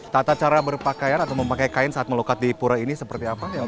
tata cara berpakaian atau memakai kain saat melukat di pura ini seperti apa